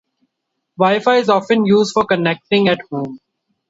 Wi-Fi is often used for connecting at home.